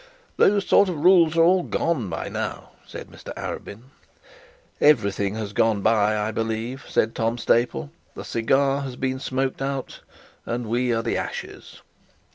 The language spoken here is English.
'These sort of rules are all gone out by now,' said Mr Arabin. 'Everything has gone by, I believe,' said Tom Staple. 'The cigar has been smoked out, and we are the ashes.'